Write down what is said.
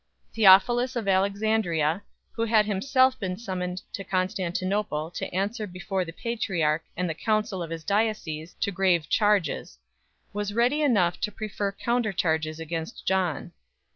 Theophilus of Alexandria, who had himself been summoned to Constantinople to answer before the patri arch and the council of his diocese to grave charges, was ready enough to prefer counter charges against John.